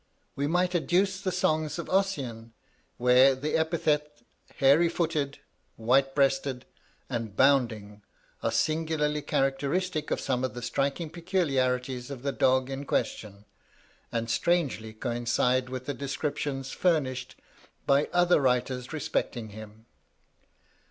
We might adduce the songs of Ossian, where the epithets 'hairy footed,' 'white breasted,' and 'bounding,' are singularly characteristic of some of the striking peculiarities of the dog in question, and strangely coincide with the descriptions furnished by other writers respecting him.